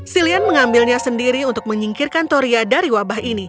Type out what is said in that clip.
silian mengambilnya sendiri untuk menyingkirkan toria dari wabah ini